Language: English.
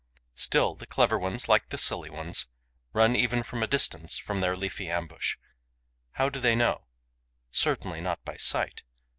Still, the clever ones, like the silly ones, run even from a distance, from their leafy ambush. How do they know? Certainly not by sight.